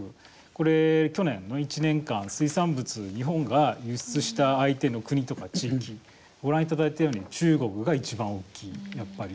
これ、去年の１年間水産物、日本が輸出した相手の国とか地域ご覧いただいたように中国が一番大きい、やっぱり。